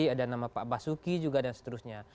ada nama pak basuki juga dan seterusnya